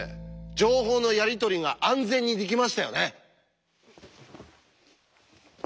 情報のやり取りが安全にできましたよね。